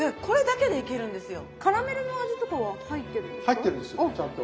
入ってるんですちゃんと。